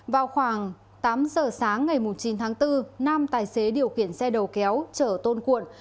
vào khoảng tám giờ sáng ngày chín tháng bốn năm tài xế điều kiện xe đầu kéo trở tôn cuộn